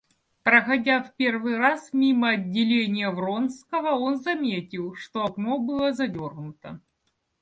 Проходя в первый раз мимо отделения Вронского, он заметил, что окно было задернуто.